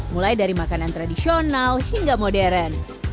mulai dari makanan tradisional hingga modern